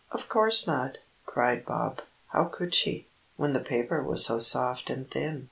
Of course not!" cried Bob. "How could she, when the paper was so soft and thin?